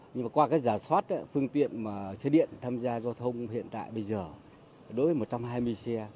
nhưng mà qua cái giả soát phương tiện xe điện tham gia giao thông hiện tại bây giờ đối với một trăm hai mươi xe